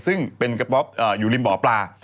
ซึ่งเป็นกระป๊อปอยู่ริมบ่อปลา